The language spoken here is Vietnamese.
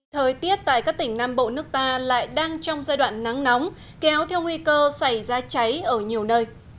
thời tiết tại các tỉnh nam bộ nước ta lại đang trong giai đoạn nắng nóng kéo theo nguy cơ xảy ra cháy ở nhiều nơi